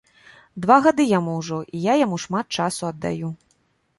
Два гады яму ўжо, і я яму шмат часу аддаю.